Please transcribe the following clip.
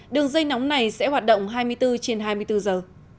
đường dây nóng này sẽ hoạt động hai mươi bốn trên hai mươi bốn giờ